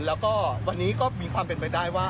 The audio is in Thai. แล้วก็วันนี้ก็มีความเป็นไปได้ว่า